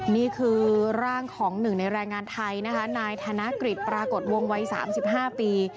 นี่คือร่างของหนึ่งในแรงงานไทยนะคะนายธนกฤษปรากฏวงวัย๓๕ปี